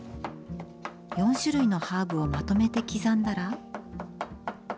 ４種類のハーブをまとめて刻んだら。